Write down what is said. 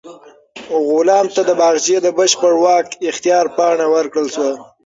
غلام ته د باغچې د بشپړ واک اختیار پاڼه ورکړل شوه.